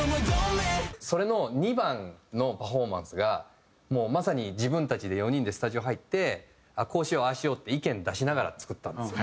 それの２番のパフォーマンスがもうまさに自分たちで４人でスタジオ入ってこうしようああしようって意見出しながら作ったんですよ。